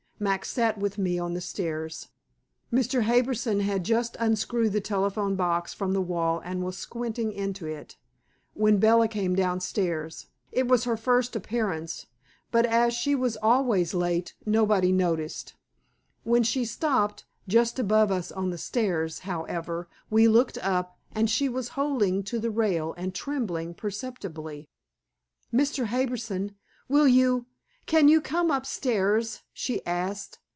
Max sat with me on the stairs. Mr. Harbison had just unscrewed the telephone box from the wall and was squinting into it, when Bella came downstairs. It was her first appearance, but as she was always late, nobody noticed. When she stopped, just above us on the stairs, however, we looked up, and she was holding to the rail and trembling perceptibly. "Mr. Harbison, will you can you come upstairs?" she asked.